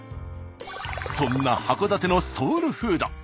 そんな函館のソウルフード。